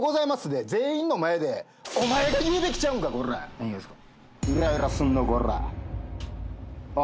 何がですか？